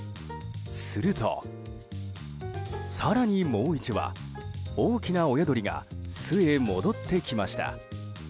すると、更にもう１羽大きな親鳥が巣へ戻ってきました。